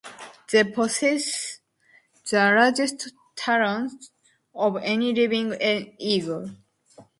They possess the largest talons of any living eagle.